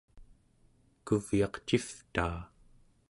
kuvyaq civtaa